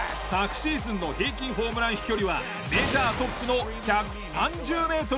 シーズンの平均ホームラン飛距離はメジャートップの１３０メートル。